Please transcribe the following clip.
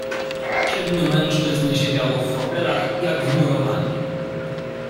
"Siedmiu mężczyzn siedziało w fotelach, jak wmurowani."